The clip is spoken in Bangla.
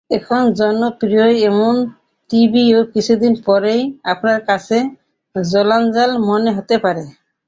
এখন জনপ্রিয় এমন টিভিও কিছুদিন পরই আপনার কাছে জঞ্জাল মনে হতে পারে।